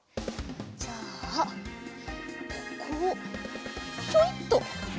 じゃあここをひょいっと。